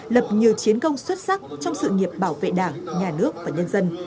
lập nhiều chiến công xuất sắc trong sự nghiệp bảo vệ đảng nhà nước và nhân dân